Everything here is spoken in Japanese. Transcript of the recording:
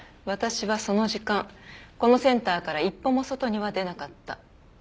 私はその時間このセンターから一歩も外には出なかった。